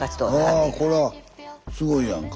あこれはすごいやんか。